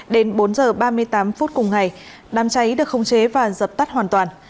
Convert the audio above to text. đến bốn h ba mươi tám phút cùng ngày đám cháy được không chế và dập tắt hoàn toàn